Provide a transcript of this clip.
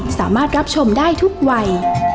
สามารถรับชมได้ทุกวัย